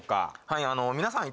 はいあの皆さん